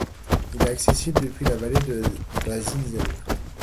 Il est accessible depuis la vallée de la Zinsel.